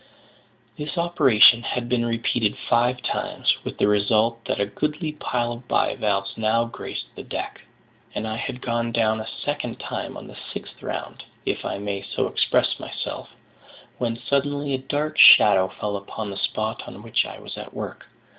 This operation had been repeated five times, with the result that a goodly pile of bivalves now graced the deck; and I had gone down a second time on the sixth round (if I may so express myself), when suddenly a dark shadow fell upon the spot on which I was at work.